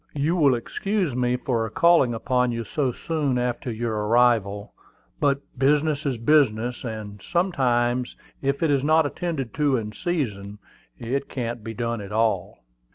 "You will excuse me for calling upon you so soon after your arrival; but business is business, and sometimes if it is not attended to in season, it can't be done at all."